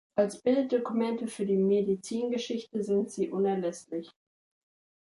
Als Bilddokumente für die Medizingeschichte sind sie unerlässlich.